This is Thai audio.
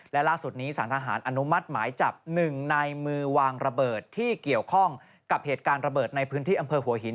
และล่าสุดนี้สารทหารอนุมัติหมายจับ๑ในมือวางระเบิดที่เกี่ยวข้องกับเหตุการณ์ระเบิดในพื้นที่อำเภอหัวหิน